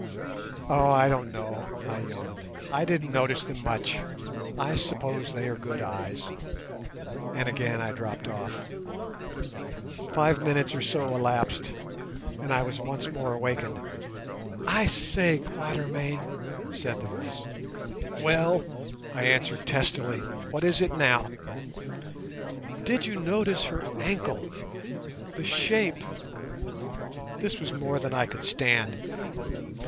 "Oh, I don't know," I yawned; "I didn't notice them much: I suppose they are good eyes," and again I dropped off. Five minutes or so elapsed, and I was once more awakened. "I say, Quatermain," said the voice. "Well," I answered testily, "what is it now?" "Did you notice her ankle? The shape—" This was more than I could stand.